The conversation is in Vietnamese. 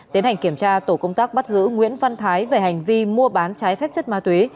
tiến hành kiểm tra tổ công tác bắt giữ nguyễn văn thái về hành vi mua bán trái phép chất ma túy